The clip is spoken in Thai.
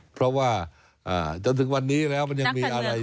เพราะว่าจนถึงวันนี้แล้วมันยังมีอะไร